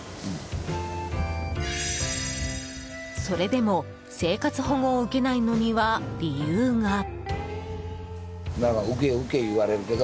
それでも生活保護を受けないのには理由が。